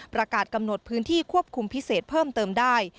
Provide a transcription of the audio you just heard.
ประกาศกำหนดพื้นที่ควบคุมพิเศษเพิ่มเติมได้